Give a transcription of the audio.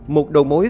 một đầu mối